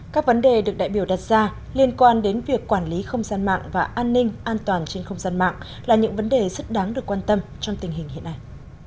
các vấn đề được đại biểu đặt ra liên quan đến việc quản lý không gian mạng và an ninh an toàn trên không gian mạng là những vấn đề rất đáng được quan tâm trong tình hình hiện nay